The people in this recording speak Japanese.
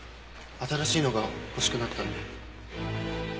新しいのが欲しくなったので。